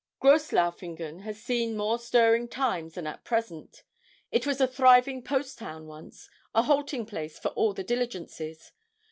Gross Laufingen has seen more stirring times than at present: it was a thriving post town once, a halting place for all the diligences.